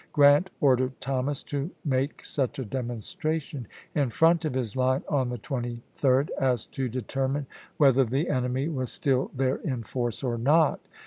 Grant ordered Thomas to make such a demonstration in front of his line on the 23d as to determine whether the enemy was still there in force or not.